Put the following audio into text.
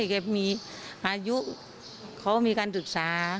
ไม่เคยมีอายุเค้ามีการศึกษา